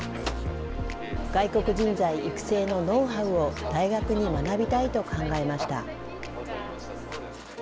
外国人材育成のノウハウを大学に学びたいと考えました。